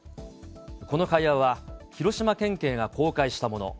この会話は広島県警が公開したもの。